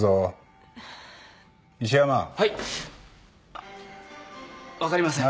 あ分かりません。